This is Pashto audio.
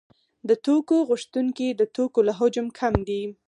د توکو غوښتونکي د توکو له حجم کم دي